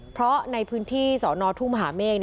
เพราะในพื้นที่สอนอทุ่งมหาเมฆ